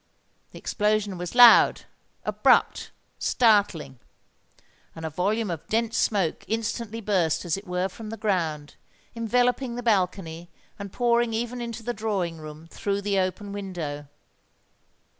The explosion was loud—abrupt—startling; and a volume of dense smoke instantly burst as it were from the ground, enveloping the balcony, and pouring even into the drawing room through the open window.